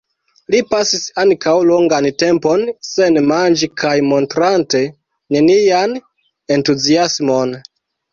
Li pasis ankaŭ longan tempon sen manĝi kaj montrante nenian entuziasmon.